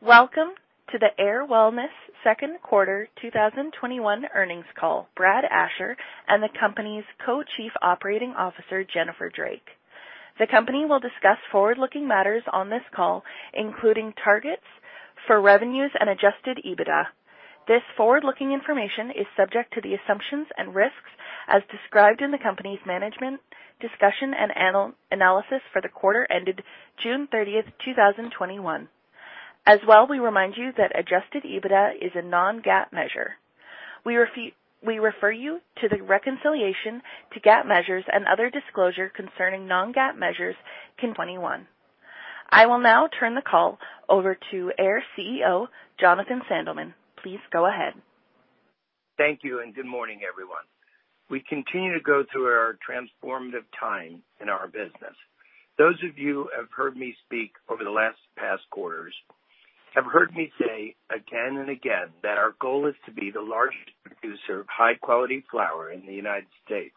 Welcome to the Ayr Wellness Second Quarter 2021 Earnings Call. Brad Asher and the company's Co-Chief Operating Officer, Jennifer Drake. The company will discuss forward-looking matters on this call, including targets for revenues and adjusted EBITDA. This forward-looking information is subject to the assumptions and risks as described in the company's management discussion and analysis for the quarter ended June 30th, 2021. As well, we remind you that adjusted EBITDA is a non-GAAP measure. We refer you to the reconciliation to GAAP measures and other disclosure concerning non-GAAP measures in 2021. I will now turn the call over to Ayr CEO, Jonathan Sandelman. Please go ahead. Thank you, and good morning, everyone. We continue to go through our transformative time in our business. Those of you who have heard me speak over the last past quarters have heard me say again and again that our goal is to be the largest producer of high-quality flower in the U.S.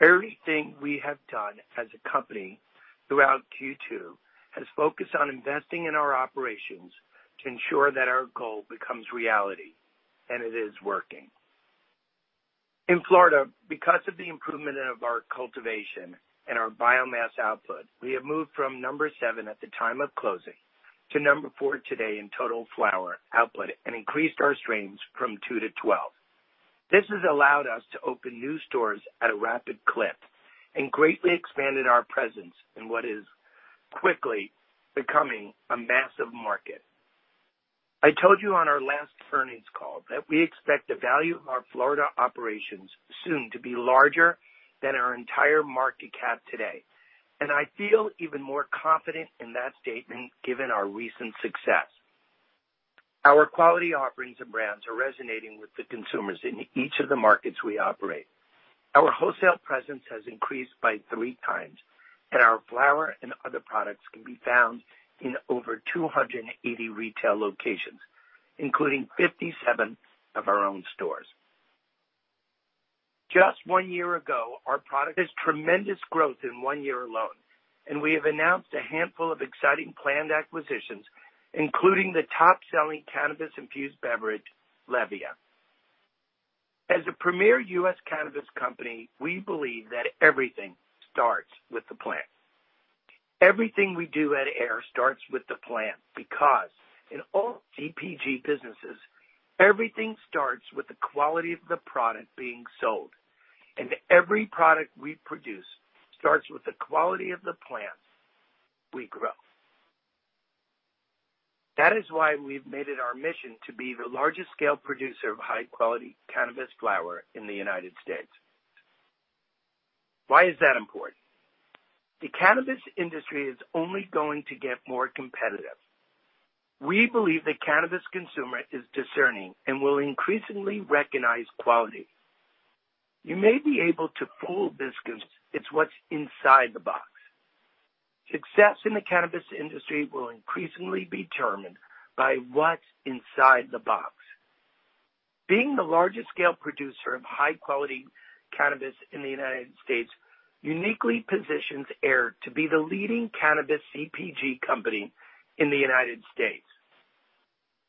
Everything we have done as a company throughout Q2 has focused on investing in our operations to ensure that our goal becomes reality, and it is working. In Florida, because of the improvement of our cultivation and our biomass output, we have moved from number seven at the time of closing to number four today in total flower output and increased our strains from 2 to 12. This has allowed us to open new stores at a rapid clip and greatly expanded our presence in what is quickly becoming a massive market. I told you on our last earnings call that we expect the value of our Florida operations soon to be larger than our entire market cap today, and I feel even more confident in that statement given our recent success. Our quality offerings and brands are resonating with the consumers in each of the markets we operate. Our wholesale presence has increased by 3x, and our flower and other products can be found in over 280 retail locations, including 57 of our own stores. Just one year ago, our product had tremendous growth in one year alone, and we have announced a handful of exciting planned acquisitions, including the top-selling cannabis-infused beverage, LEVIA. As a premier U.S. cannabis company, we believe that everything starts with the plant. Everything we do at Ayr starts with the plant because in all CPG businesses, everything starts with the quality of the product being sold. Every product we produce starts with the quality of the plant we grow. That is why we've made it our mission to be the largest-scale producer of high-quality cannabis flower in the United States. Why is that important? The cannabis industry is only going to get more competitive. We believe the cannabis consumer is discerning and will increasingly recognize quality. You may be able to fool this consumer, it's what's inside the box. Success in the cannabis industry will increasingly be determined by what's inside the box. Being the largest-scale producer of high-quality cannabis in the United States uniquely positions Ayr to be the leading cannabis CPG company in the United States.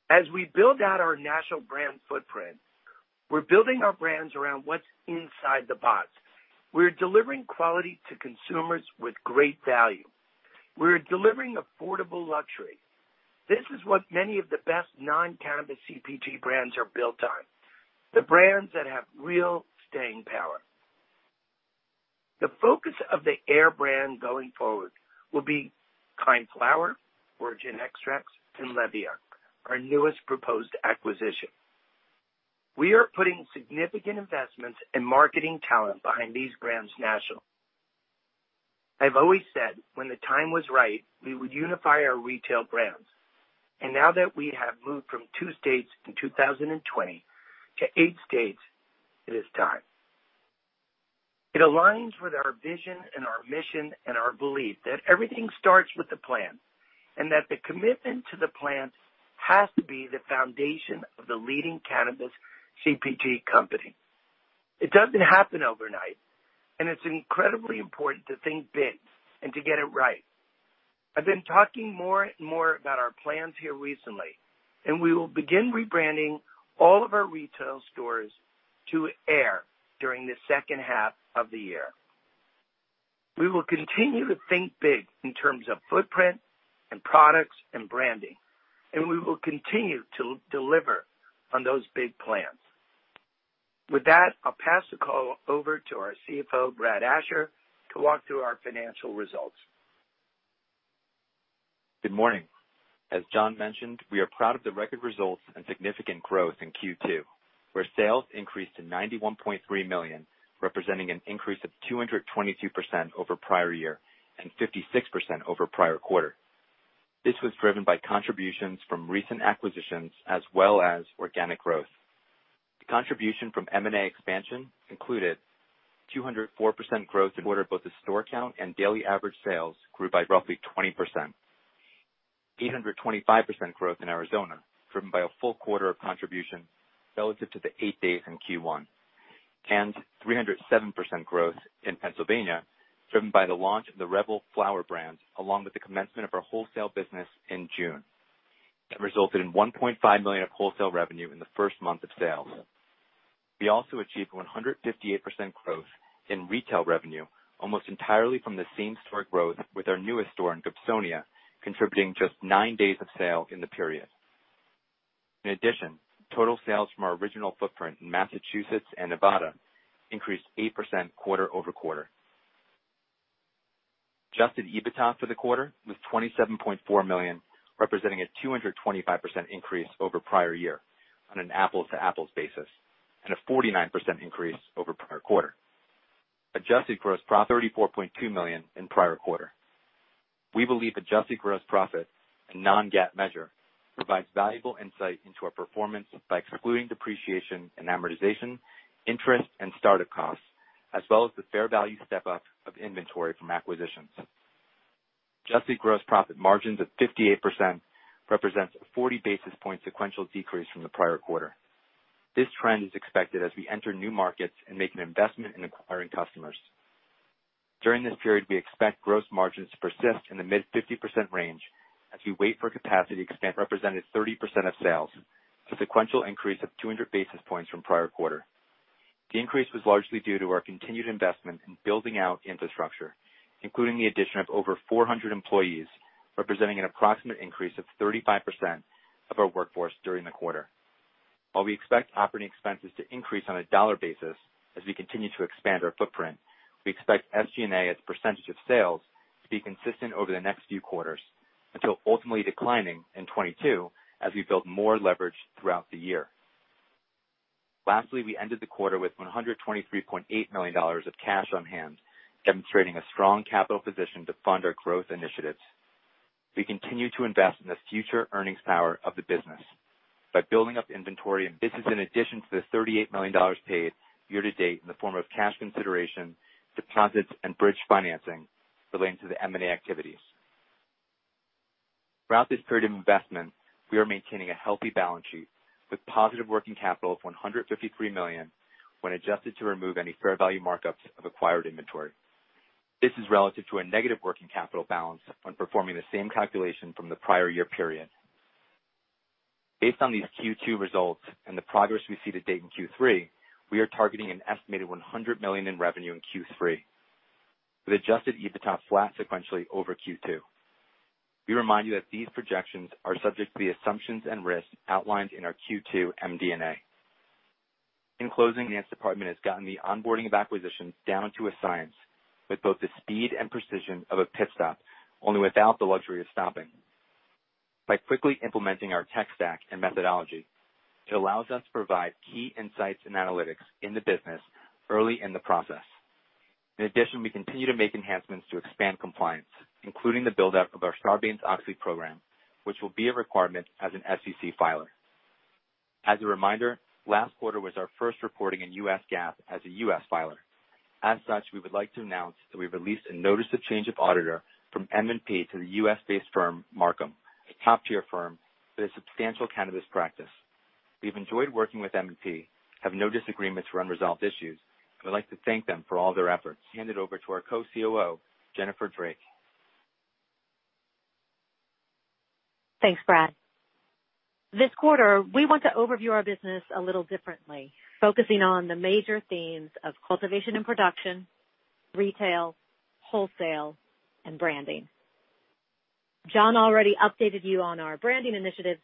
As we build out our national brand footprint, we're building our brands around what's inside the box. We're delivering quality to consumers with great value. We're delivering affordable luxury. This is what many of the best non-cannabis CPG brands are built on, the brands that have real staying power. The focus of the Ayr brand going forward will be Kynd Flower, Origyn Extracts, and LEVIA, our newest proposed acquisition. We are putting significant investments and marketing talent behind these brands nationally. I've always said when the time was right, we would unify our retail brands. Now that we have moved from two states in 2020 to eight states, it is time. It aligns with our vision and our mission and our belief that everything starts with the plant, and that the commitment to the plant has to be the foundation of the leading cannabis CPG company. It doesn't happen overnight. It's incredibly important to think big and to get it right. I've been talking more and more about our plans here recently. We will begin rebranding all of our retail stores to Ayr during the second half of the year. We will continue to think big in terms of footprint and products and branding. We will continue to deliver on those big plans. With that, I'll pass the call over to our CFO, Brad Asher, to walk through our financial results. Good morning. As Jon mentioned, we are proud of the record results and significant growth in Q2, where sales increased to $91.3 million, representing an increase of 222% over prior year and 56% over prior quarter. This was driven by contributions from recent acquisitions as well as organic growth. The contribution from M&A expansion included 204% growth in quarter, both the store count and daily average sales grew by roughly 20%. 825% growth in Arizona, driven by a full quarter of contribution relative to the eight days in Q1. 307% growth in Pennsylvania, driven by the launch of the Revel flower brand, along with the commencement of our wholesale business in June. That resulted in $1.5 million of wholesale revenue in the first month of sales. We also achieved 158% growth in retail revenue, almost entirely from the same-store growth with our newest store in Gibsonia, contributing just nine days of sale in the period. In addition, total sales from our original footprint in Massachusetts and Nevada increased 8% quarter-over-quarter. Adjusted EBITDA for the quarter was $27.4 million, representing a 225% increase over prior year on an apples-to-apples basis, and a 49% increase over prior quarter. $34.2 million in prior quarter. We believe adjusted gross profit, a non-GAAP measure, provides valuable insight into our performance by excluding depreciation and amortization, interest, and startup costs, as well as the fair value step-up of inventory from acquisitions. Adjusted gross profit margins of 58% represents a 40 basis point sequential decrease from the prior quarter. This trend is expected as we enter new markets and make an investment in acquiring customers. During this period, we expect gross margins to persist in the mid-50% range as we wait for capacity. Represented 30% of sales, a sequential increase of 200 basis points from prior quarter. The increase was largely due to our continued investment in building out infrastructure, including the addition of over 400 employees, representing an approximate increase of 35% of our workforce during the quarter. While we expect operating expenses to increase on a dollar basis as we continue to expand our footprint, we expect SG&A as a percentage of sales to be consistent over the next few quarters until ultimately declining in 2022 as we build more leverage throughout the year. Lastly, we ended the quarter with $123.8 million of cash on hand, demonstrating a strong capital position to fund our growth initiatives. We continue to invest in the future earnings power of the business by building up inventory. This is in addition to the $38 million paid year to date in the form of cash consideration, deposits, and bridge financing relating to the M&A activities. Throughout this period of investment, we are maintaining a healthy balance sheet with positive working capital of $153 million when adjusted to remove any fair value markups of acquired inventory. This is relative to a negative working capital balance when performing the same calculation from the prior year period. Based on these Q2 results and the progress we see to date in Q3, we are targeting an estimated $100 million in revenue in Q3 with adjusted EBITDA flat sequentially over Q2. We remind you that these projections are subject to the assumptions and risks outlined in our Q2 MD&A. In closing, the finance department has gotten the onboarding of acquisitions down to a science with both the speed and precision of a pit stop, only without the luxury of stopping. By quickly implementing our tech stack and methodology, it allows us to provide key insights and analytics in the business early in the process. In addition, we continue to make enhancements to expand compliance, including the buildup of our Sarbanes-Oxley program, which will be a requirement as an SEC filer. As a reminder, last quarter was our first reporting in US GAAP as a U.S. filer. As such, we would like to announce that we've released a notice of change of auditor from MNP to the U.S.-based firm, Marcum, a top-tier firm with a substantial cannabis practice. We've enjoyed working with MNP, have no disagreements or unresolved issues, and would like to thank them for all their efforts. Hand it over to our Co-COO, Jennifer Drake. Thanks, Brad. This quarter, we want to overview our business a little differently, focusing on the major themes of cultivation and production, retail, wholesale, and branding. Jon already updated you on our branding initiatives,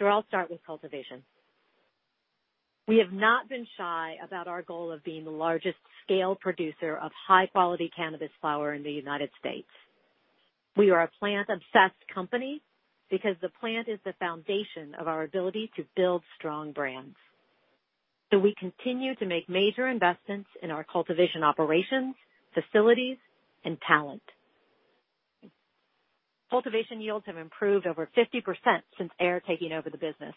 I'll start with cultivation. We have not been shy about our goal of being the largest scale producer of high-quality cannabis flower in the United States. We are a plant-obsessed company because the plant is the foundation of our ability to build strong brands. We continue to make major investments in our cultivation operations, facilities, and talent. Cultivation yields have improved over 50% since Ayr taking over the business,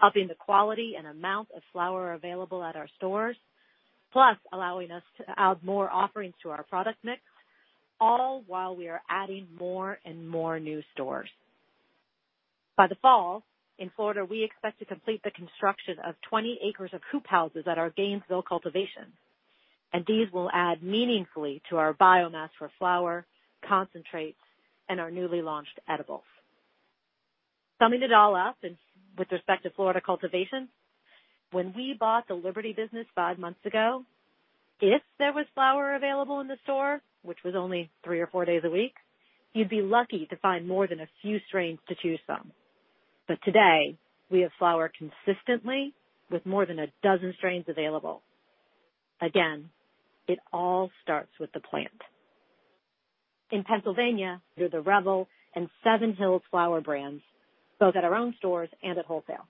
upping the quality and amount of flower available at our stores, plus allowing us to add more offerings to our product mix, all while we are adding more and more new stores. By the fall, in Florida, we expect to complete the construction of 20 acres of hoop houses at our Gainesville cultivation. These will add meaningfully to our biomass for flower, concentrates, and our newly launched edibles. Summing it all up with respect to Florida cultivation, when we bought the Liberty business five months ago, if there was flower available in the store, which was only three or four days a week, you'd be lucky to find more than a few strains to choose from. Today, we have flower consistently with more than a dozen strains available. Again, it all starts with the plant. In Pennsylvania, through the Revel and Seven Hills flower brands, both at our own stores and at wholesale.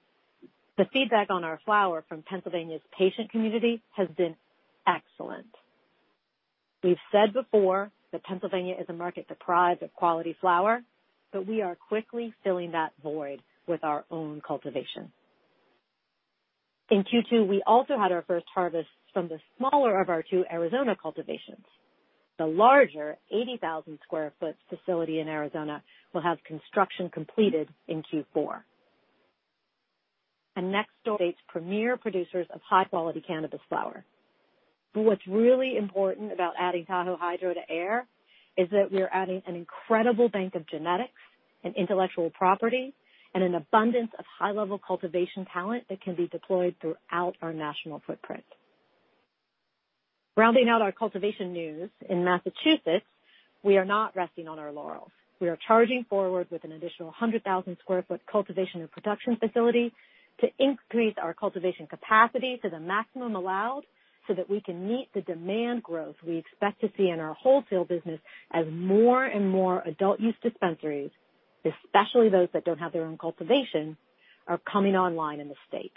The feedback on our flower from Pennsylvania's patient community has been excellent. We've said before that Pennsylvania is a market deprived of quality flower, but we are quickly filling that void with our own cultivation. In Q2, we also had our first harvest from the smaller of our two Arizona cultivations. The larger 80,000 sq ft facility in Arizona will have construction completed in Q4. Next, state's premier producers of high-quality cannabis flower, what's really important about adding Tahoe Hydro to Ayr is that we are adding an incredible bank of genetics and intellectual property and an abundance of high-level cultivation talent that can be deployed throughout our national footprint. Rounding out our cultivation news, in Massachusetts, we are not resting on our laurels. We are charging forward with an additional 100,000 square foot cultivation and production facility to increase our cultivation capacity to the maximum allowed so that we can meet the demand growth we expect to see in our wholesale business as more and more adult use dispensaries, especially those that don't have their own cultivation, are coming online in the state.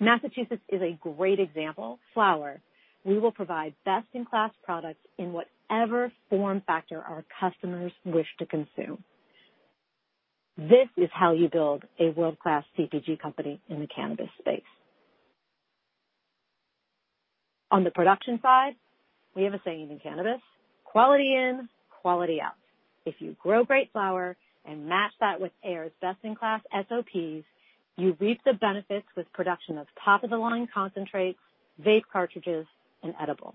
Massachusetts is a great example. Flower, we will provide best-in-class products in whatever form factor our customers wish to consume. This is how you build a world-class CPG company in the cannabis space. On the production side, we have a saying in cannabis, "Quality in, quality out." If you grow great flower and match that with Ayr's best-in-class SOPs, you reap the benefits with production of top-of-the-line concentrates, vape cartridges, and edibles.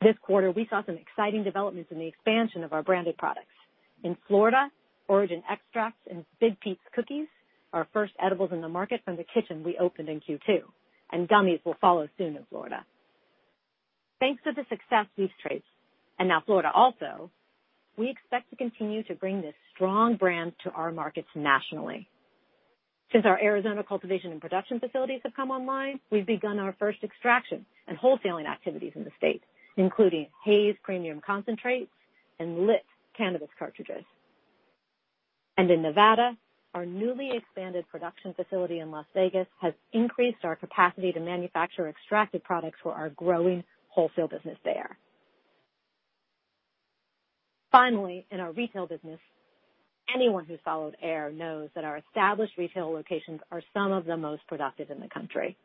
This quarter, we saw some exciting developments in the expansion of our branded products. In Florida, Origyn Extracts and Big Pete's Cookies, our first edibles in the market from the kitchen we opened in Q2. Gummies will follow soon in Florida. Thanks to the success these trades, now Florida also, we expect to continue to bring this strong brand to our markets nationally. Since our Arizona cultivation and production facilities have come online, we've begun our first extraction and wholesaling activities in the state, including HAZE premium concentrates and LIT cannabis cartridges. In Nevada, our newly expanded production facility in Las Vegas has increased its capacity to manufacture extracted products for our growing wholesale business there. Finally, in our retail business, anyone who's followed Ayr knows that our established retail locations are some of the most productive in the country.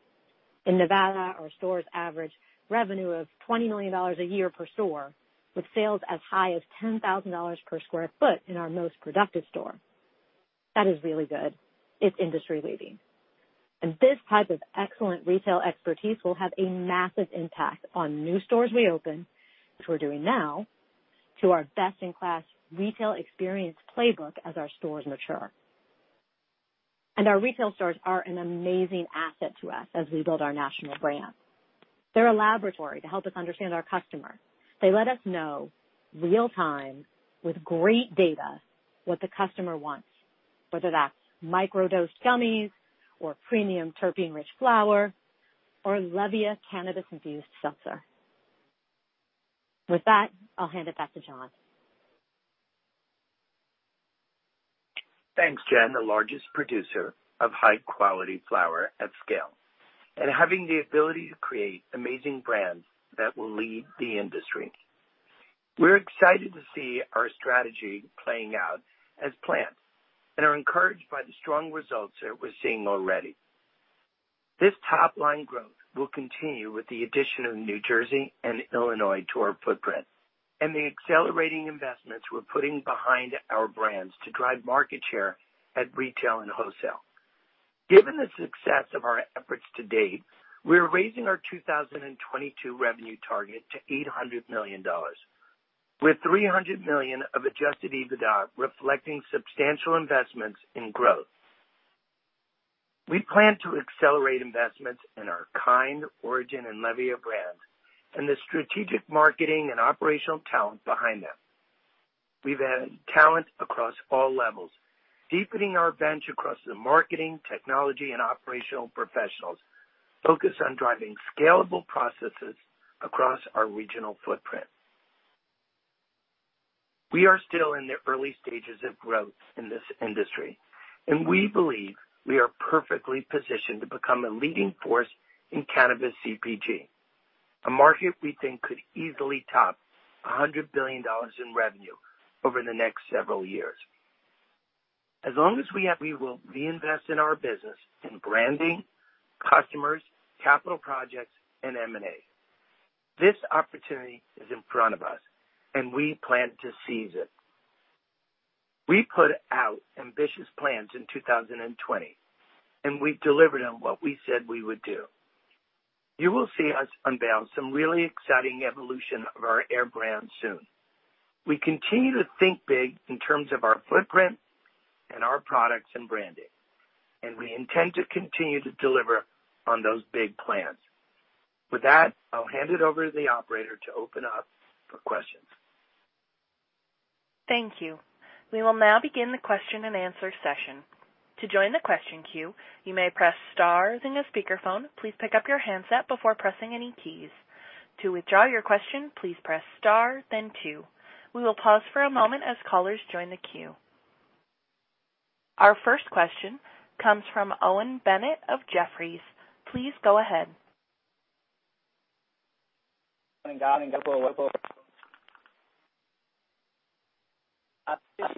In Nevada, our stores average revenue of $20 million a year per store, with sales as high as $10,000 per square foot in our most productive store. That is really good. It's industry-leading. This type of excellent retail expertise will have a massive impact on new stores we open, which we're doing now, to our best-in-class retail experience playbook as our stores mature. Our retail stores are an amazing asset to us as we build our national brand. They're a laboratory to help us understand our customer. They let us know real time with great data what the customer wants, whether that's micro-dosed gummies, or premium terpene-rich flower, or LEVIA cannabis-infused seltzer. With that, I'll hand it back to Jon. Thanks, Jen. The largest producer of high-quality flower at scale, and having the ability to create amazing brands that will lead the industry, we're excited to see our strategy playing out as planned and are encouraged by the strong results that we're seeing already. This top-line growth will continue with the addition of New Jersey and Illinois to our footprint and the accelerating investments we're putting behind our brands to drive market share at retail and wholesale. Given the success of our efforts to date, we are raising our 2022 revenue target to $800 million, with $300 million of adjusted EBITDA reflecting substantial investments in growth. We plan to accelerate investments in our Kynd, Origyn, and LEVIA brands and the strategic marketing and operational talent behind them. We've added talent across all levels, deepening our bench across the marketing, technology, and operational professionals, focused on driving scalable processes across our regional footprint. We are still in the early stages of growth in this industry, and we believe we are perfectly positioned to become a leading force in cannabis CPG, a market we think could easily top $100 billion in revenue over the next several years. As long as we have, we will reinvest in our business in branding, customers, capital projects, and M&A. This opportunity is in front of us, and we plan to seize it. We put out ambitious plans in 2020, and we delivered on what we said we would do. You will see us unveil some really exciting evolution of our Ayr brand soon. We continue to think big in terms of our footprint and our products and branding, and we intend to continue to deliver on those big plans. With that, I'll hand it over to the operator to open up for questions. Thank you. We will now begin the question and answer session. To join the question queue, you may press star. Using a speakerphone, please pick up your handset before pressing any keys. To withdraw your question, please press star then two. We will pause for a moment as callers join the queue. Our first question comes from Owen Bennett of Jefferies. Please go ahead. Traction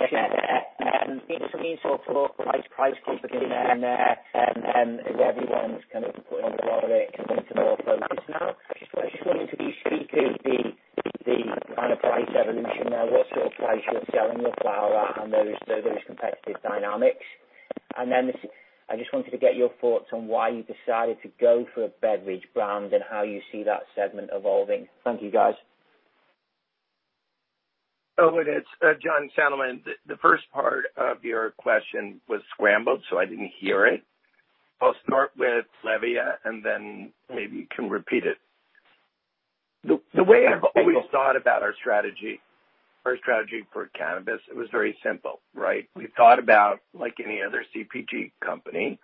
there. There's been some sort of price competition there, and everyone's kind of putting a lot of it into more focus now. I just wanted to be speaking the kind of price evolution there, what sort of price you're selling your flower at, and those competitive dynamics. I just wanted to get your thoughts on why you decided to go for a beverage brand and how you see that segment evolving. Thank you, guys. Oh, it is. Jonathan. The first part of your question was scrambled, so I didn't hear it. I'll start with LEVIA, and then maybe you can repeat it. The way I've always thought about our strategy for cannabis, it was very simple, right? We thought about, like any other CPG company,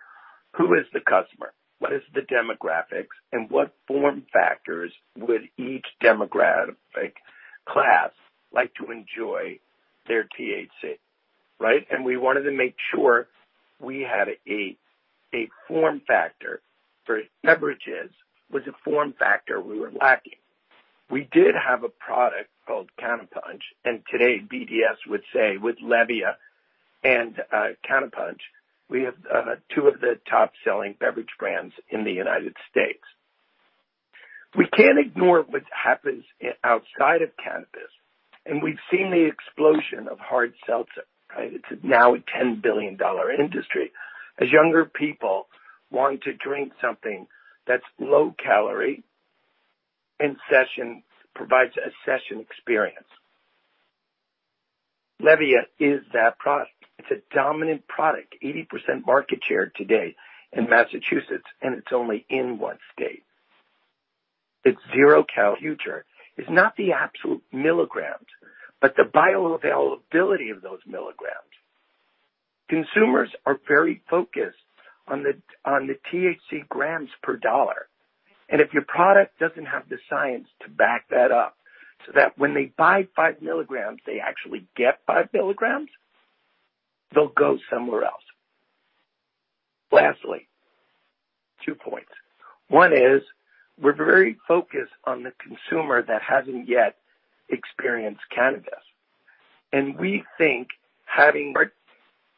who is the customer, what is the demographics, and what form factors would each demographic class like to enjoy their THC, right? We wanted to make sure we had a form factor for beverages, was a form factor we were lacking. We did have a product called CannaPunch, and today BDSA would say with LEVIA and CannaPunch, we have two of the top selling beverage brands in the U.S. We can't ignore what happens outside of cannabis, and we've seen the explosion of hard seltzer, right? It's now a $10 billion industry. As younger people want to drink something that's low calorie and provides a session experience. LEVIA is that product. It's a dominant product, 80% market share today in Massachusetts. It's only in one state. It's 0 cal. Future is not the absolute milligrams, but the bioavailability of those milligrams. Consumers are very focused on the THC grams per dollar. If your product doesn't have the science to back that up so that when they buy 5 milligrams, they actually get 5 milligrams, they'll go somewhere else. Lastly, 2 points. One is, we're very focused on the consumer that hasn't yet experienced cannabis. We think having or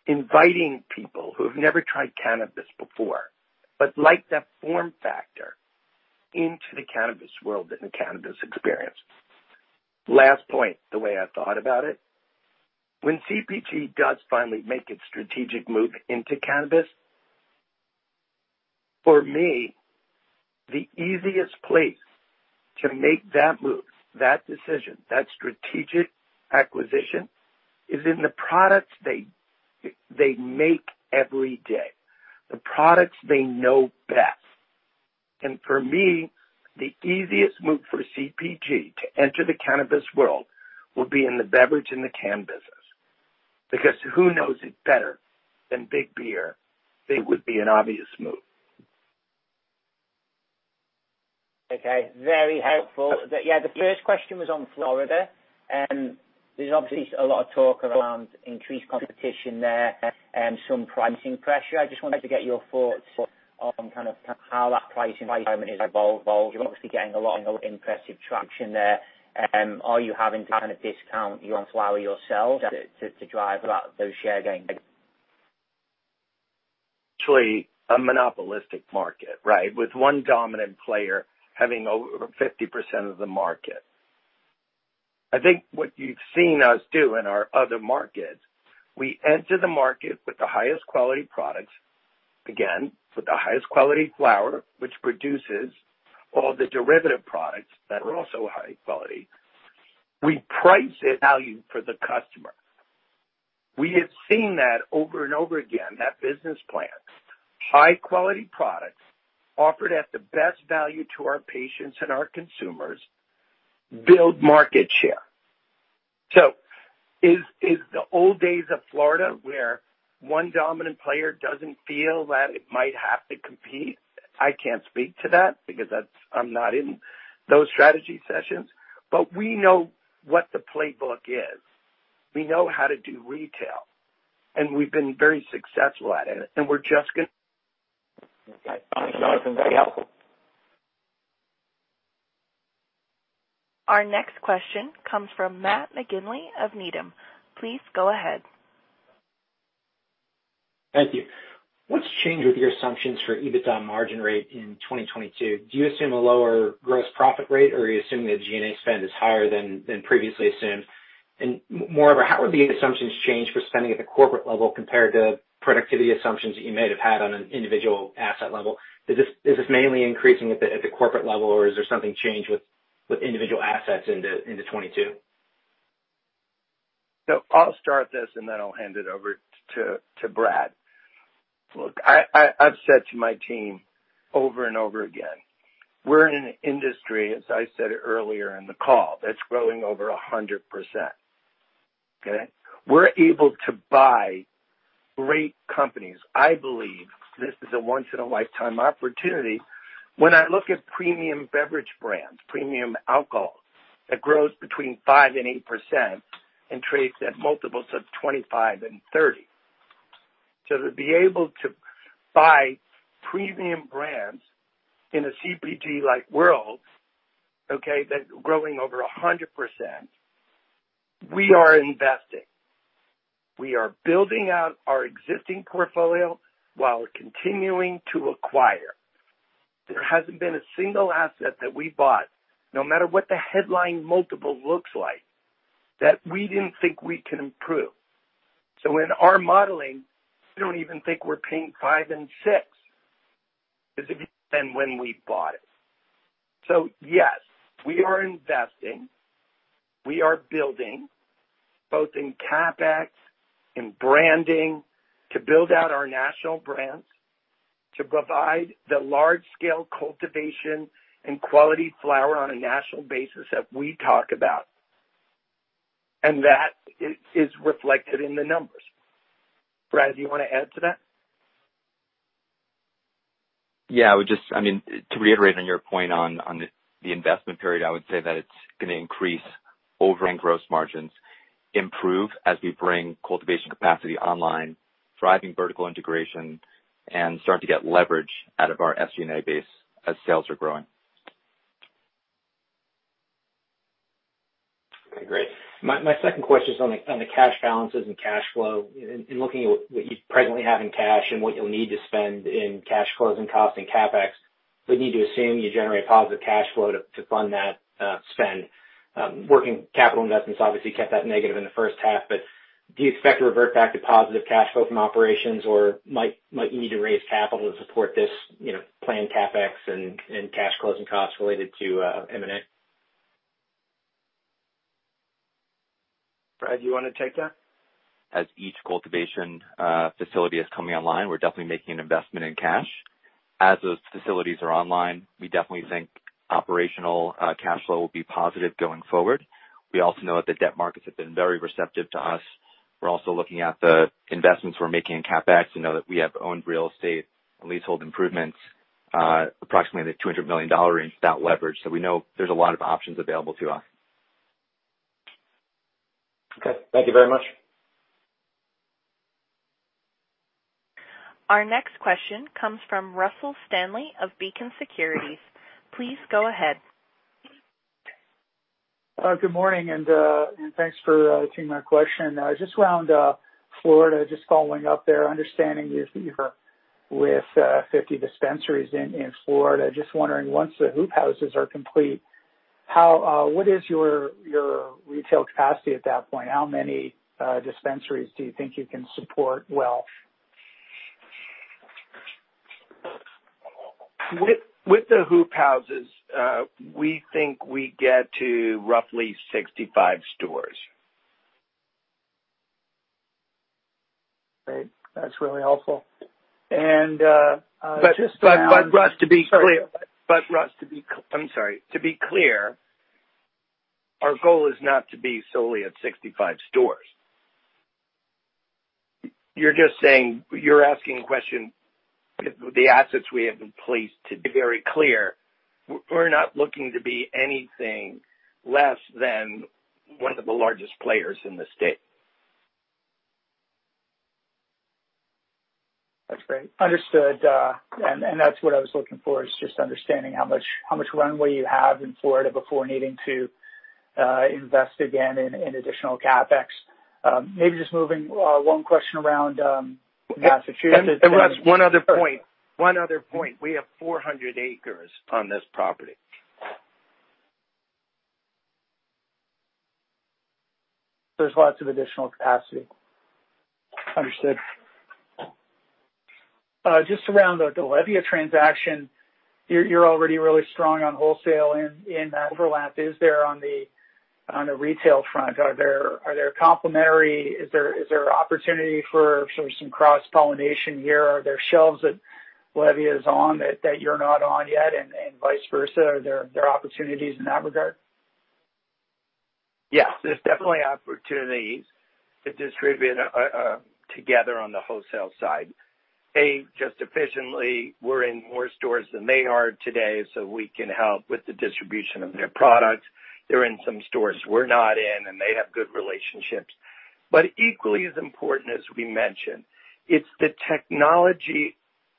inviting people who have never tried cannabis before, but like that form factor into the cannabis world and cannabis experience. Last point, the way I thought about it, when CPG does finally make its strategic move into cannabis, for me, the easiest place to make that move, that decision, that strategic acquisition, is in the products they make every day. The products they know best. For me, the easiest move for CPG to enter the cannabis world would be in the beverage and the canned business. Who knows it better than big beer? They would be an obvious move. Okay. Very helpful. Yeah, the first question was on Florida. There's obviously a lot of talk around increased competition there and some pricing pressure. I just wanted to get your thoughts on kind of how that pricing environment has evolved. You're obviously getting a lot of impressive traction there. Are you having to kind of discount your own flower yourselves to drive a lot of those share gains? Actually, a monopolistic market, right? With one dominant player having over 50% of the market. I think what you've seen us do in our other markets, we enter the market with the highest quality products, again, with the highest quality flower, which produces all the derivative products that are also high quality. We price it value for the customer. We have seen that over and over again, that business plan. High quality products offered at the best value to our patients and our consumers build market share. Is the old days of Florida where one dominant player doesn't feel that it might have to compete? I can't speak to that because I'm not in those strategy sessions. We know what the playbook is. We know how to do retail, and we've been very successful at it. Okay. Thanks, Jonathan. Very helpful. Our next question comes from Matt McGinley of Needham. Please go ahead. Thank you. What's changed with your assumptions for EBITDA margin rate in 2022? Do you assume a lower gross profit rate, or are you assuming that G&A spend is higher than previously assumed? Moreover, how would the assumptions change for spending at the corporate level compared to productivity assumptions that you may have had on an individual asset level? Is this mainly increasing at the corporate level, or is there something changed with individual assets into 2022? I'll start this, and then I'll hand it over to Brad. I've said to my team over and over again, we're in an industry, as I said earlier in the call, that's growing over 100%. Okay? We're able to buy great companies. I believe this is a once in a lifetime opportunity. When I look at premium beverage brands, premium alcohol, that grows between 5% and 8% and trades at multiples of 25 and 30. To be able to buy premium brands in a CPG-like world, okay, that's growing over 100%, we are investing. We are building out our existing portfolio while continuing to acquire. There hasn't been a single asset that we bought, no matter what the headline multiple looks like, that we didn't think we can improve. In our modeling, we don't even think we're paying $5 and $6 as if then when we bought it. Yes, we are investing. We are building both in CapEx, in branding, to build out our national brands, to provide the large-scale cultivation and quality flower on a national basis that we talk about. That is reflected in the numbers. Brad, do you want to add to that? Yeah. To reiterate on your point on the investment period, I would say that it's going to increase over and gross margins improve as we bring cultivation capacity online, driving vertical integration, and start to get leverage out of our SG&A base as sales are growing. Okay, great. My second question is on the cash balances and cash flow. In looking at what you presently have in cash and what you'll need to spend in cash closing costs and CapEx, we need to assume you generate positive cash flow to fund that spend. Working capital investments obviously kept that negative in the first half. Do you expect to revert back to positive cash flow from operations, or might you need to raise capital to support this planned CapEx and cash closing costs related to M&A? Brad, do you want to take that? As each cultivation facility is coming online, we're definitely making an investment in cash. As those facilities are online, we definitely think operational cash flow will be positive going forward. We also know that the debt markets have been very receptive to us. We're also looking at the investments we're making in CapEx. We know that we have owned real estate and leasehold improvements, approximately in the $200 million range, without leverage. We know there's a lot of options available to us. Okay. Thank you very much. Our next question comes from Russell Stanley of Beacon Securities. Please go ahead. Good morning. Thanks for taking my question. Just around Florida, just following up there, understanding you're with 50 dispensaries in Florida. Just wondering, once the hoop houses are complete, what is your retail capacity at that point? How many dispensaries do you think you can support well? With the hoop houses, we think we get to roughly 65 stores. Great. That's really helpful. Russ, to be clear. Sorry. I'm sorry. To be clear, our goal is not to be solely at 65 stores. You're asking a question with the assets we have in place. To be very clear, we're not looking to be anything less than one of the largest players in the state. That's great. Understood. That's what I was looking for, is just understanding how much runway you have in Florida before needing to invest again in additional CapEx. Maybe just moving one question around Massachusetts. Russ, one other point. We have 400 acres on this property. There's lots of additional capacity. Understood. Just around the LEVIA transaction, you're already really strong on wholesale and in that overlap. Is there on the retail front, is there opportunity for some cross-pollination here? Are there shelves that LEVIA is on that you're not on yet, and vice versa? Are there opportunities in that regard? Yes, there's definitely opportunities to distribute together on the wholesale side. A, just efficiently, we're in more stores than they are today, we can help with the distribution of their products. They're in some stores we're not in, they have good relationships. Equally as important as we mentioned, it's the technology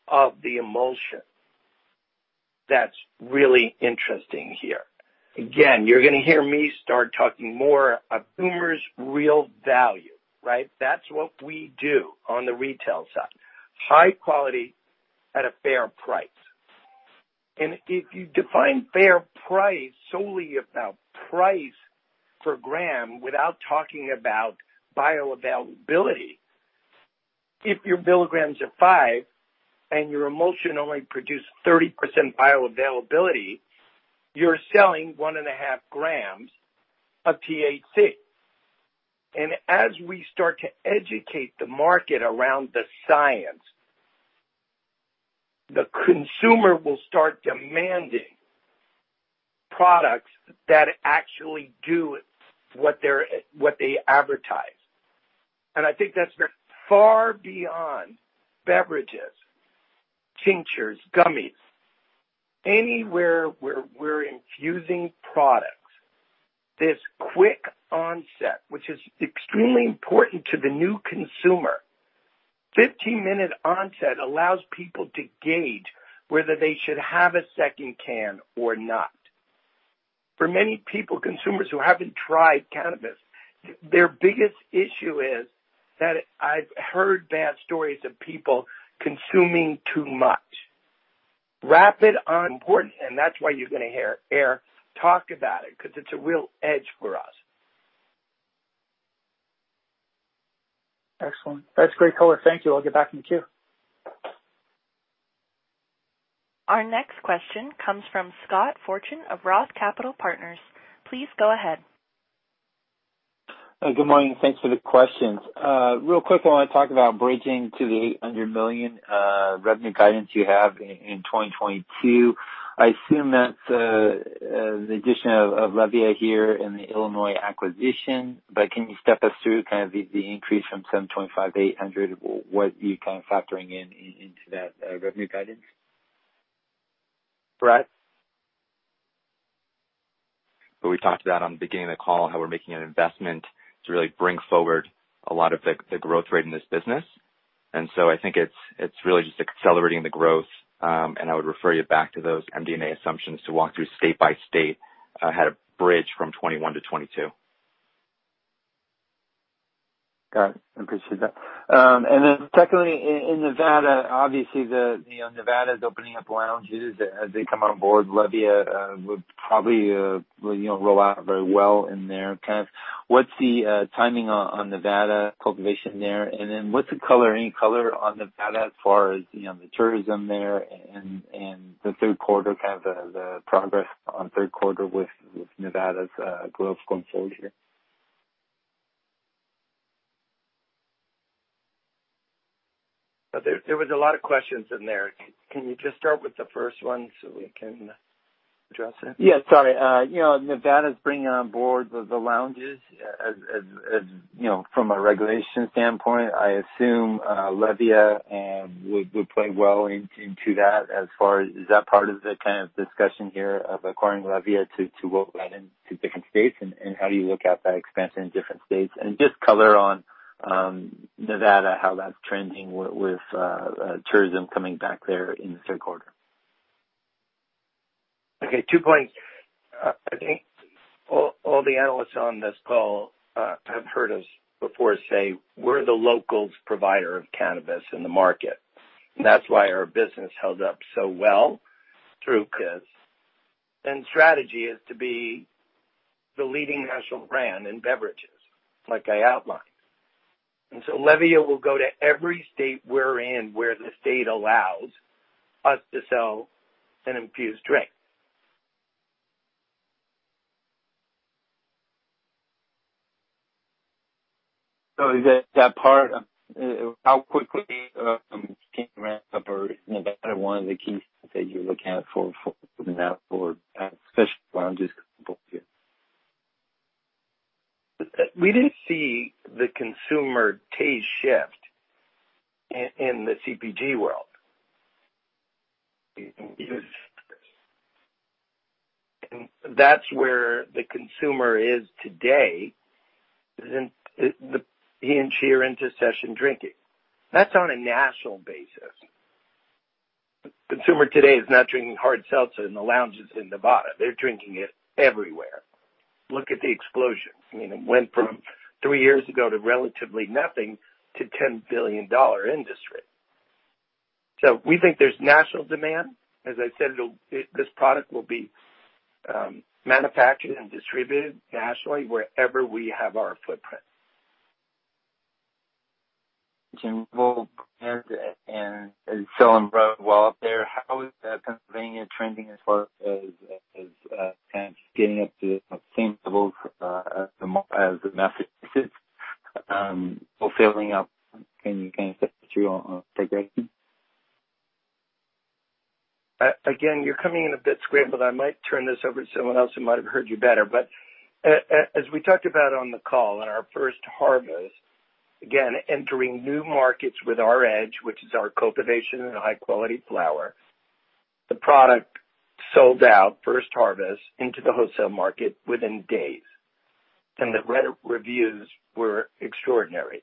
of the emulsion that's really interesting here. Again, you're going to hear me start talking more of Boomer's real value, right? That's what we do on the retail side. High quality at a fair price. If you define fair price solely about price per gram without talking about bioavailability, if your milligrams are five and your emulsion only produce 30% bioavailability, you're selling one and a half grams of THC. As we start to educate the market around the science, the consumer will start demanding products that actually do what they advertise. I think that's very far beyond beverages, tinctures, gummies. Anywhere where we're infusing products, this quick onset, which is extremely important to the new consumer. 15-minute onset allows people to gauge whether they should have a second can or not. For many people, consumers who haven't tried cannabis, their biggest issue is that I've heard bad stories of people consuming too much. Rapid onset is important, and that's why you're going to hear Ayr talk about it, because it's a real edge for us. Excellent. That's great color. Thank you. I'll get back in the queue. Our next question comes from Scott Fortune of ROTH Capital Partners. Please go ahead. Good morning. Thanks for the questions. Real quick, I want to talk about bridging to the $800 million revenue guidance you have in 2022. I assume that's the addition of LEVIA here and the Illinois acquisition. Can you step us through kind of the increase from 725 to 800? What are you kind of factoring in into that revenue guidance? Brad? We talked about on the beginning of the call how we're making an investment to really bring forward a lot of the growth rate in this business. I think it's really just accelerating the growth. I would refer you back to those MD&A assumptions to walk through state by state how to bridge from 2021 to 2022.. Got it. I appreciate that. Secondly, in Nevada, obviously Nevada is opening up lounges as they come on board. LEVIA would probably roll out very well in there. Kind of what's the timing on Nevada cultivation there, and then what's any color on Nevada as far as the tourism there and the third quarter, kind of the progress on third quarter with Nevada's growth going forward here? There was a lot of questions in there. Can you just start with the first one so we can address it? Yeah, sorry. Nevada's bringing on board the lounges. From a regulation standpoint, I assume LEVIA would play well into that as far as, is that part of the kind of discussion here of acquiring LEVIA to roll right into different states and how do you look at that expansion in different states? Just color on Nevada, how that's trending with tourism coming back there in the third quarter? Okay, two points. I think all the analysts on this call have heard us before say we're the locals provider of cannabis in the market. That's why our business held up so well through COVID. Strategy is to be the leading national brand in beverages, like I outlined. LEVIA will go to every state we're in, where the state allows us to sell an infused drink. Is that part of how quickly can ramp up or is Nevada one of the keys that you're looking at for now for especially lounges? We didn't see the consumer taste shift in the CPG world. That's where the consumer is today. He and she are into session drinking. That's on a national basis. Consumer today is not drinking hard seltzer in the lounges in Nevada. They're drinking it everywhere. Look at the explosion. I mean, it went from three years ago to relatively nothing to $10 billion industry. We think there's national demand. As I said, this product will be manufactured and distributed nationally wherever we have our footprint. Can we roll and selling well up there, how is Pennsylvania trending as well as kind of getting up to the same levels as Massachusetts, or filling up? Can you kind of step through on progression? Again, you're coming in a bit scrambled. I might turn this over to someone else who might have heard you better. As we talked about on the call, on our first harvest, again, entering new markets with our edge, which is our cultivation and high-quality flower, the product sold out first harvest into the wholesale market within days. The reviews were extraordinary.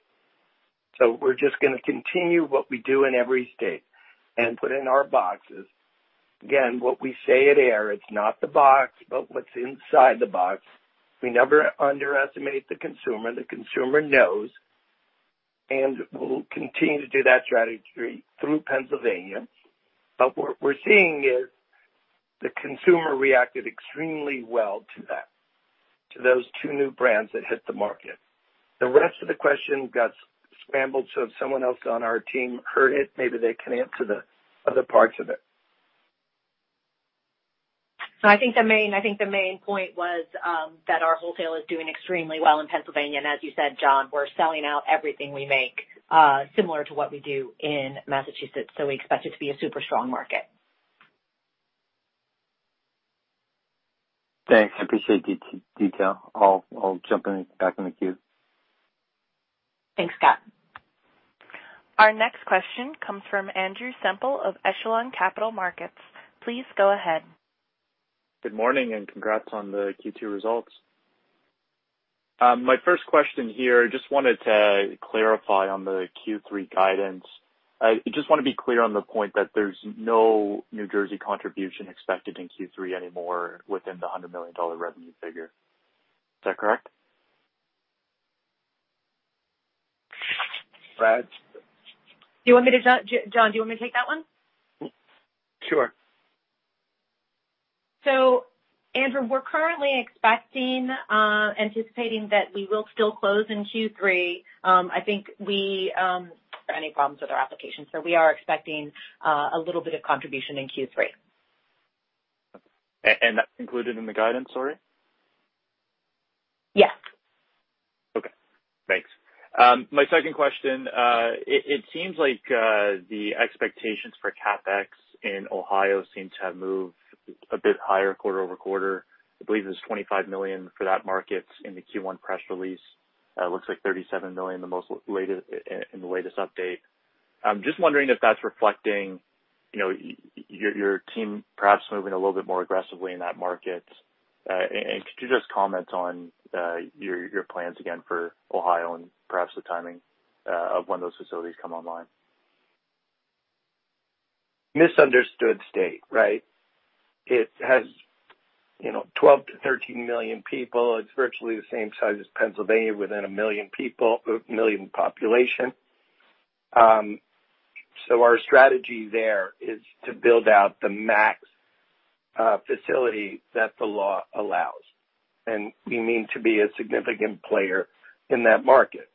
We're just going to continue what we do in every state and put in our boxes. Again, what we say at Ayr, it's not the box, but what's inside the box. We never underestimate the consumer. The consumer knows, we'll continue to do that strategy through Pennsylvania. What we're seeing is the consumer reacted extremely well to that, to those two new brands that hit the market. The rest of the question got scrambled, so if someone else on our team heard it, maybe they can answer the other parts of it. I think the main point was that our wholesale is doing extremely well in Pennsylvania. As you said, John, we're selling out everything we make, similar to what we do in Massachusetts. We expect it to be a super strong market. Thanks. I appreciate the detail. I'll jump back in the queue. Thanks, Scott. Our next question comes from Andrew Semple of Echelon Capital Markets. Please go ahead. Good morning, congrats on the Q2 results. My first question here, just wanted to clarify on the Q3 guidance. I just want to be clear on the point that there's no New Jersey contribution expected in Q3 anymore within the $100 million revenue figure. Is that correct? Brad? Jonathan Sandelman, do you want me to take that one? Sure. Andrew, we're currently expecting, anticipating that we will still close in Q3. I think any problems with our application. We are expecting a little bit of contribution in Q3. That's included in the guidance, sorry? Yes. Okay, thanks. My second question, it seems like the expectations for CapEx in Ohio seem to have moved a bit higher quarter-over-quarter. I believe it was $25 million for that market in the Q1 press release. It looks like $37 million in the latest update. I'm just wondering if that's reflecting your team perhaps moving a little bit more aggressively in that market. Could you just comment on your plans again for Ohio and perhaps the timing of when those facilities come online? Misunderstood state, right? It has 12 million-13 million people. It's virtually the same size as Pennsylvania within 1 million population. Our strategy there is to build out the max facility that the law allows. We mean to be a significant player in that market.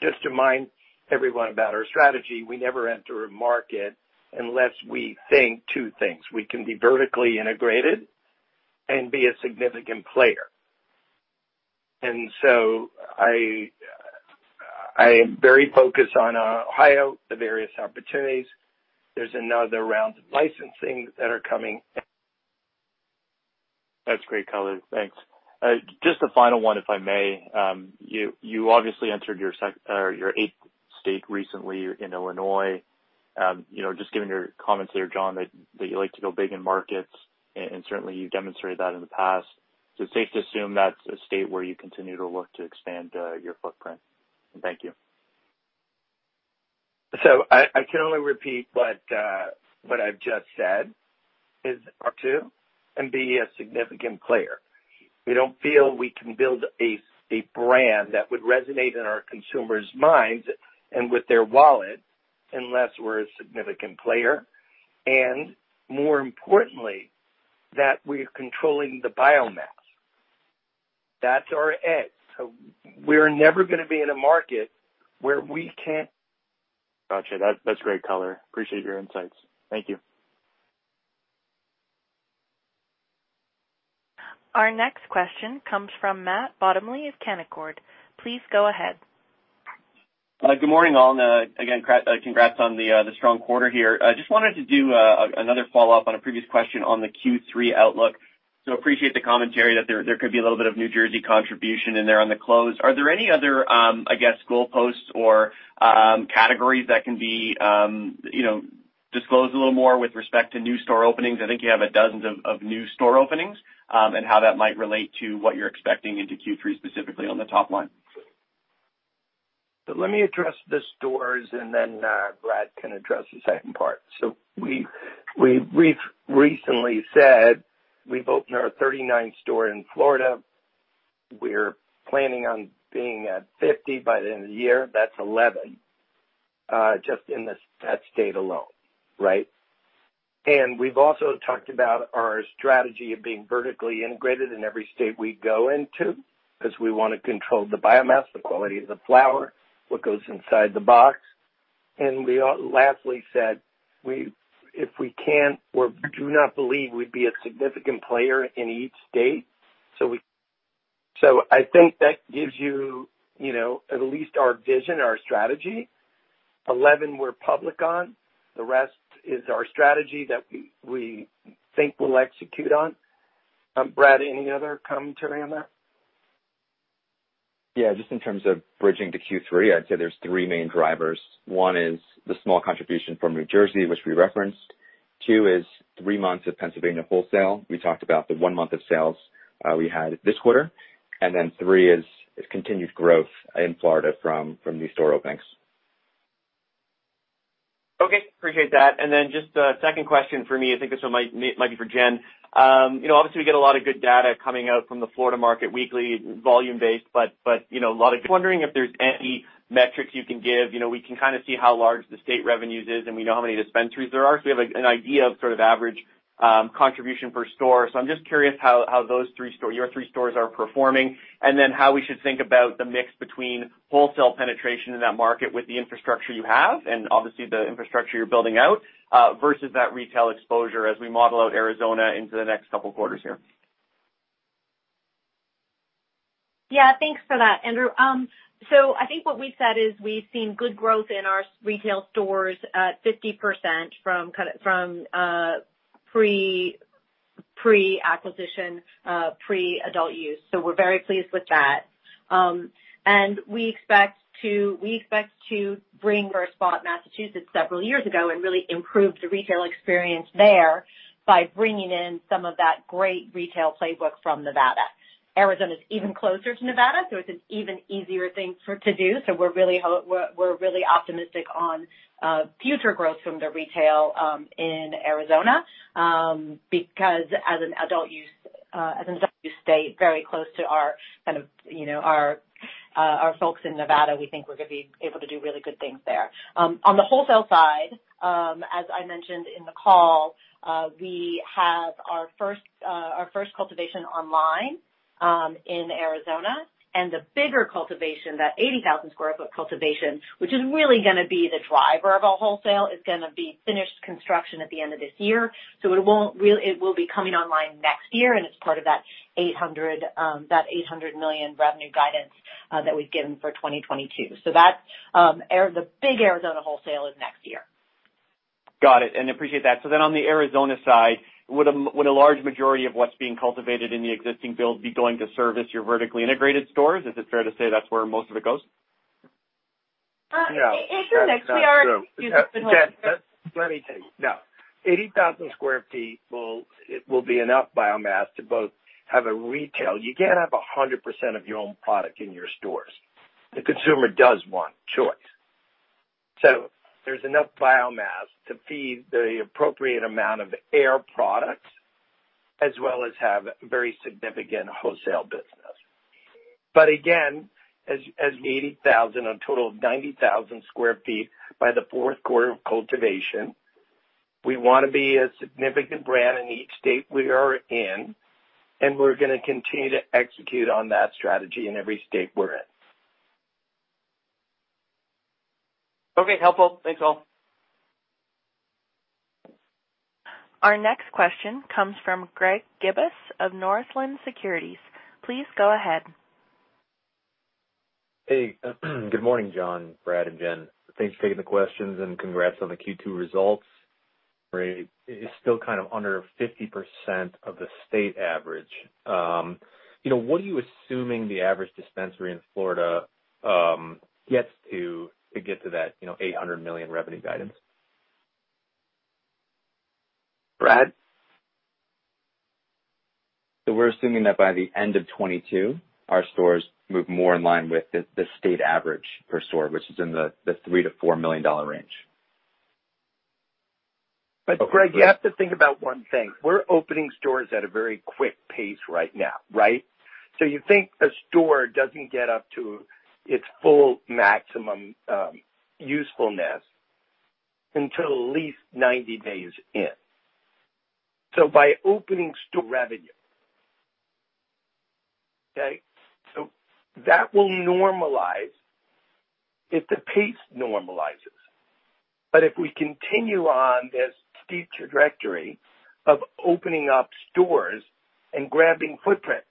Just to remind everyone about our strategy, we never enter a market unless we think two things. We can be vertically integrated and be a significant player. I am very focused on Ohio, the various opportunities. There's another round of licensing that are coming. That's great color. Thanks. Just a final one, if I may. You obviously entered your eighth state recently in Illinois. Just given your comments there, John, that you like to go big in markets, and certainly you demonstrated that in the past, is it safe to assume that's a state where you continue to look to expand your footprint? Thank you. I can only repeat what I've just said is part two, and be a significant player. We don't feel we can build a brand that would resonate in our consumers' minds and with their wallet unless we're a significant player. More importantly, that we're controlling the biomass. That's our edge. We're never going to be in a market where we can't. Got you. That's great color. Appreciate your insights. Thank you. Our next question comes from Matt Bottomley of Canaccord. Please go ahead. Good morning, all. Again, congrats on the strong quarter here. Just wanted to do another follow-up on a previous question on the Q3 outlook. Appreciate the commentary that there could be a little bit of New Jersey contribution in there on the close. Are there any other, I guess, goalposts or categories that can be disclosed a little more with respect to new store openings? I think you have dozens of new store openings, and how that might relate to what you're expecting into Q3 specifically on the top line. Let me address the stores and then Brad can address the second part. We've recently said we've opened our 39th store in Florida. We're planning on being at 50 by the end of the year. That's 11 just in that state alone, right? We've also talked about our strategy of being vertically integrated in every state we go into because we want to control the biomass, the quality of the flower, what goes inside the box. We lastly said, if we can't or do not believe we'd be a significant player in each state. I think that gives you at least our vision, our strategy. 11 we're public on. The rest is our strategy that we think we'll execute on. Brad, any other commentary on that? Yeah, just in terms of bridging to Q3, I'd say there's three main drivers. One is the small contribution from New Jersey, which we referenced. Two is three months of Pennsylvania wholesale—we talked about the one month of sales we had this quarter. Three is continued growth in Florida from new store openings. Okay. Appreciate that. Then just a second question for me. I think this one might be for Jen. Obviously, we get a lot of good data coming out from the Florida market weekly, volume-based. Just wondering if there's any metrics you can give. We can kind of see how large the state revenues is, and we know how many dispensaries there are. We have an idea of sort of average contribution per store. I'm just curious how your three stores are performing, and then how we should think about the mix between wholesale penetration in that market with the infrastructure you have, and obviously the infrastructure you're building out, versus that retail exposure as we model out Arizona into the next couple quarters here. Yeah. Thanks for that, Andrew. I think what we said is we've seen good growth in our retail stores at 50% from pre-acquisition, pre-adult use. We're very pleased with that. We expect to bring our spot in Massachusetts several years ago and really improve the retail experience there by bringing in some of that great retail playbook from Nevada. Arizona is even closer to Nevada, so it's an even easier thing to do. We're really optimistic on future growth from the retail in Arizona because as an adult use state very close to our folks in Nevada, we think we're going to be able to do really good things there. On the wholesale side, as I mentioned in the call, we have our first cultivation online in Arizona, and the bigger cultivation, that 80,000 square foot cultivation, which is really going to be the driver of our wholesale, is going to be finished construction at the end of this year. It will be coming online next year, and it's part of that $800 million revenue guidance that we've given for 2022. The big Arizona wholesale is next year. Got it, and appreciate that. On the Arizona side, would a large majority of what's being cultivated in the existing build be going to service your vertically integrated stores? Is it fair to say that's where most of it goes? in the mix. No, that's not true. Let me tell you. No. 80,000 sq ft will be enough biomass to both have a retail. You can't have 100% of your own product in your stores. The consumer does want choice. There's enough biomass to feed the appropriate amount of Ayr products, as well as have very significant wholesale business. Again, as 80,000 on a total of 90,000 sq ft by the fourth quarter of cultivation, we want to be a significant brand in each state we are in, and we're going to continue to execute on that strategy in every state we're in. Okay. Helpful. Thanks, all. Our next question comes from Greg Gibas of Northland Securities. Please go ahead. Hey. Good morning, Jonathan, Brad, and Jen. Thanks for taking the questions and congrats on the Q2 results. It's still kind of under 50% of the state average. What are you assuming the average dispensary in Florida gets to get to that $800 million revenue guidance? Brad? We're assuming that by the end of 2022, our stores move more in line with the state average per store, which is in the $3 million-$4 million range. Greg, you have to think about one thing. We're opening stores at a very quick pace right now, right? You think a store doesn't get up to its full maximum usefulness until at least 90 days in. By opening store revenue. Okay? That will normalize if the pace normalizes. If we continue on this steep trajectory of opening up stores and grabbing footprint,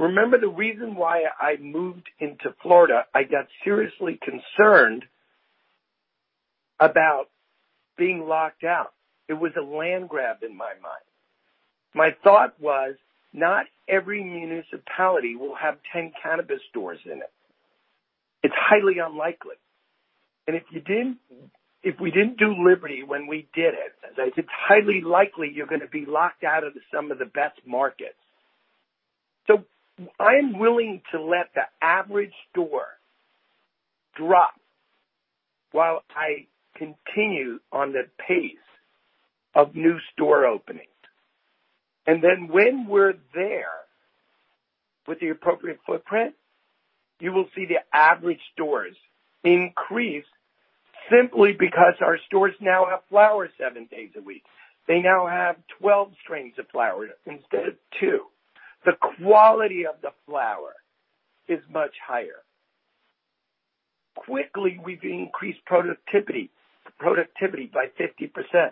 remember the reason why I moved into Florida, I got seriously concerned about being locked out. It was a land grab in my mind. My thought was, not every municipality will have 10 cannabis stores in it. It's highly unlikely. If we didn't do Liberty when we did it, as I said, it's highly likely you're going to be locked out of some of the best markets. I'm willing to let the average store drop while I continue on the pace of new store openings. When we're there with the appropriate footprint, you will see the average stores increase simply because our stores now have flower seven days a week. They now have 12 strains of flower instead of two. The quality of the flower is much higher. Quickly, we've increased productivity by 50%.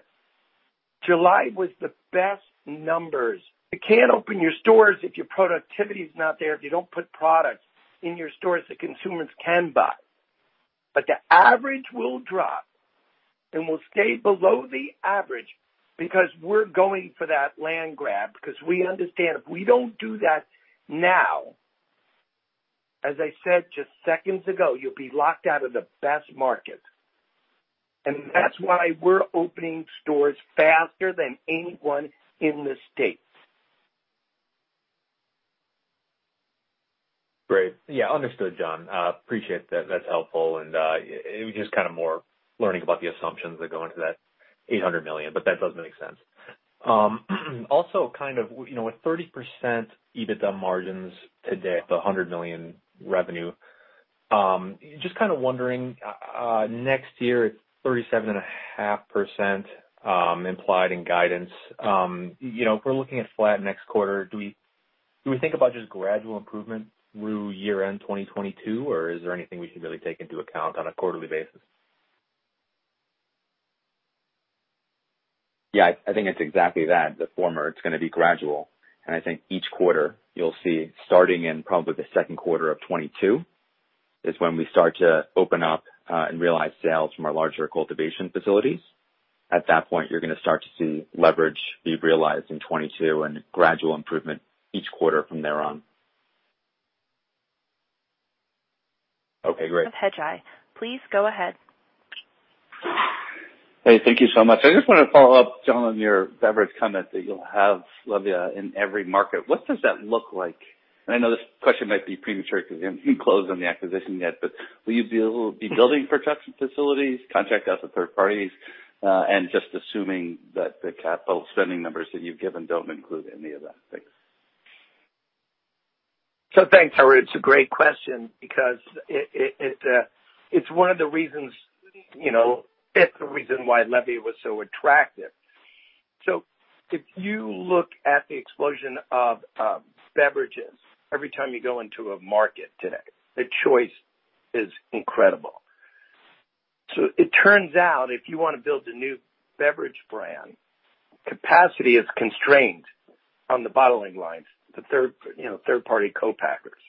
July was the best numbers. You can't open your stores if your productivity is not there, if you don't put products in your stores that consumers can buy. The average will drop, and will stay below the average because we're going for that land grab. We understand if we don't do that now, as I said just seconds ago, you'll be locked out of the best markets. That's why we're opening stores faster than anyone in the state. Great. Yeah. Understood, Jonathan. Appreciate that. That's helpful. It was just kind of more learning about the assumptions that go into that $800 million, but that does make sense. Also, with 30% EBITDA margins today at the $100 million revenue, just kind of wondering, next year it's 37.5% implied in guidance. If we're looking at flat next quarter, do we think about just gradual improvement through year-end 2022, or is there anything we should really take into account on a quarterly basis? Yeah, I think it's exactly that, the former. It's going to be gradual. I think each quarter you'll see, starting in probably the second quarter of 2022, is when we start to open up and realize sales from our larger cultivation facilities. At that point, you're going to start to see leverage be realized in 2022 and gradual improvement each quarter from there on. Okay, great. Of Hedgeye. Please go ahead. Hey, thank you so much. I just want to follow up, Jon, on your beverage comment that you'll have LEVIA in every market. What does that look like? I know this question might be premature because you haven't closed on the acquisition yet, but will you be building production facilities, contract out to third parties? Just assuming that the capital spending numbers that you've given don't include any of that. Thanks. So thanks, Harry. It's a great question because it's the reason why LEVIA was so attractive. If you look at the explosion of beverages every time you go into a market today, the choice is incredible. It turns out, if you want to build a new beverage brand, capacity is constrained on the bottling lines, the third-party co-packers.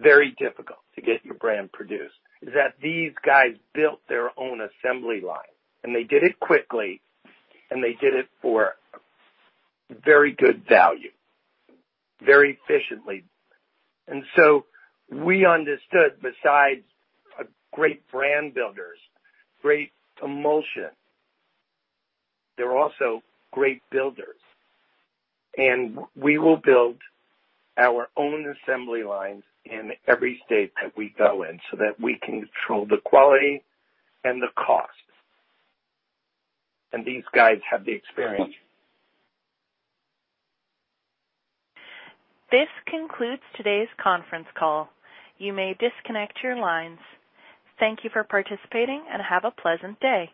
Very difficult to get your brand produced. Is that these guys built their own assembly line, and they did it quickly, and they did it for very good value, very efficiently. We understood, besides great brand builders, great emulsion, they're also great builders. We will build our own assembly lines in every state that we go in so that we can control the quality and the cost. These guys have the experience. This concludes today's conference call. You may disconnect your lines. Thank you for participating and have a pleasant day.